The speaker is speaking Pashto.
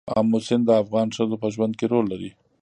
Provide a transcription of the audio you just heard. آمو سیند د افغان ښځو په ژوند کې رول لري.